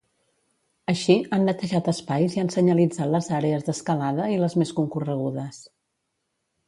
Així, han netejat espais i han senyalitzat les àrees d'escalada i les més concorregudes.